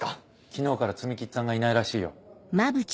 昨日から摘木っつぁんがいないらしいよ。